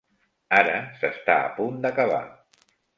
Ara s'està a punt d'acabar.